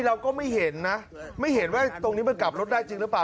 เราก็ไม่เห็นนะไม่เห็นว่าตรงนี้มันกลับรถได้จริงหรือเปล่า